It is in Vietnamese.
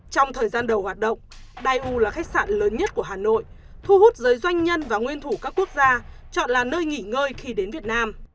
trong thời gian đầu hoạt động daiu là khách sạn lớn nhất của hà nội thu hút giới doanh nhân và nguyên thủ các quốc gia chọn là nơi nghỉ ngơi khi đến việt nam